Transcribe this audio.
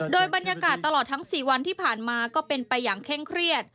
โดยบรรยากาศตลอดทั้ง๔วันที่ผ่านมาก็เป็นไปอย่างเคร่งเครียด